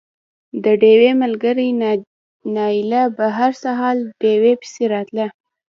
د ډېوې ملګرې نايله به هر سهار ډېوې پسې راتله